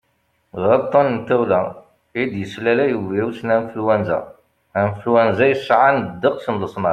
d aṭṭan n tawla i d-yeslalay ubirus n anflwanza influenza yesɛan ddeqs n leṣnaf